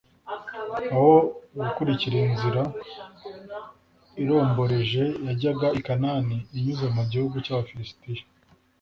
aho gukurikira inzira iromboreje yajyaga i kanani inyuze mu gihugu cy’abafilisitiya,